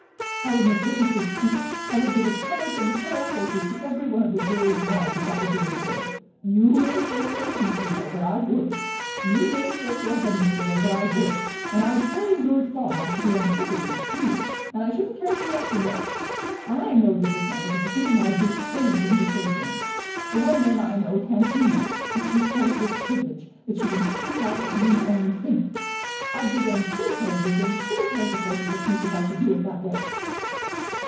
I would make witnesses speak. I would give a carriage and pair of horses to every one of the jurors' wives, if that would do any good. You may shake your head, Mr. Low; but I would. And I'd carry Lord Fawn off to the Antipodes, too; and I shouldn't care if you left him there. I know that this man is innocent, and I'd do anything to save him. A woman, I know, can't do much; but she has this privilege, that she can speak out what men only think. I'd give them two carriages and two pairs of horses a piece if I could do it that way."